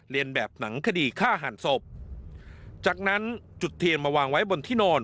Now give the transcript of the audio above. เรียนแบบหนังคดีฆ่าหันศพจากนั้นจุดเทียนมาวางไว้บนที่นอน